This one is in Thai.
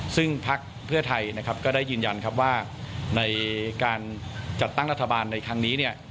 ซึ่งพักเพื่อไทยก็ได้ยืนยันว่าในการจัดตั้งรัฐบาลในครั้งนี้